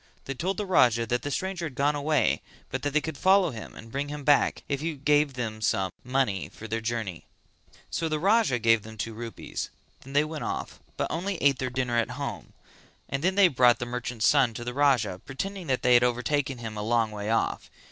They told the Raja that the stranger had gone away but that they could follow him and bring him back if he gave them some money for their journey. So the Raja gave them two rupees; then they went off but only ate their dinner at home, and then they brought the merchant's son to the Raja, pretending that they had overtaken him a long way off.